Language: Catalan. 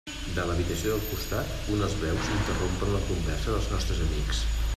De l'habitació del costat unes veus interrompen la conversa dels nostres amics.